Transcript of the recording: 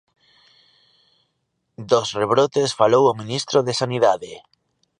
Dos rebrotes falou o ministro de Sanidade.